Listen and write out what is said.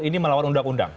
ini melawan undang undang